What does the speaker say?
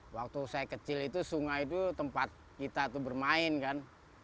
waktu saya kecil itu sungai itu tempat kita itu bermain kan